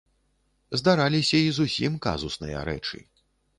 Здараліся і зусім казусныя рэчы.